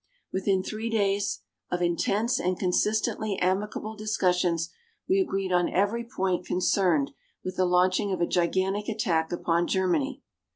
Within three days of intense and consistently amicable discussions, we agreed on every point concerned with the launching of a gigantic attack upon Germany.